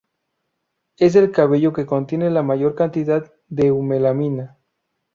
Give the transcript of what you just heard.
Es el cabello que contiene la mayor cantidad de eumelanina.